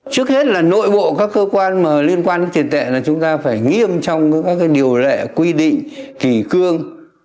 trước hết là nội bộ các cơ quan liên quan đến tiền tệ là chúng ta phải nghiêm trong các điều lệ quy định kỳ cương